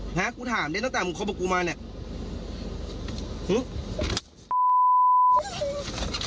ฮะกูถามได้ตั้งแต่มึงคบกับกูมาเนี่ย